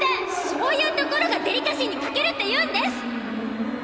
そういうところがデリカシーに欠けるっていうんです！